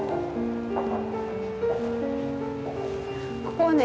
ここはね